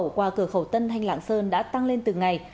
quả vải xuất khẩu qua cửa khẩu tân thanh lạng sơn đã tăng lên từ ngày